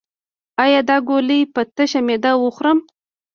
ایا دا ګولۍ په تشه معده وخورم؟